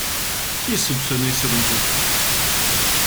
Qui est soupçonné selon vous ?